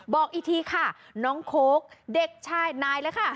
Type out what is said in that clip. บอกอีกทีค่ะน้องโค้กเด็กชายนายแล้วค่ะ